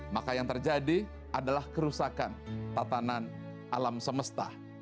maka yang terjadi adalah kerusakan tatanan alam semesta